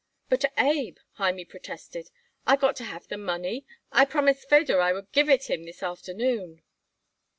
"But, Abe," Hymie protested, "I got to have the money. I promised Feder I would give it him this afternoon."